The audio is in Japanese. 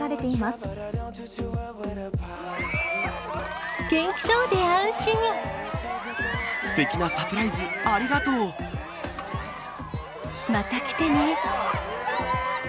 すてきなサプライズ、ありがまた来てね。